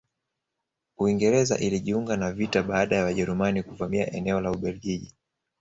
Uingereza ilijiunga na vita baada ya Wajerumani kuvamia eneo la Ubelgiji